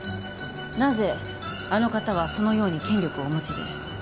なぜあの方はそのように権力をお持ちで？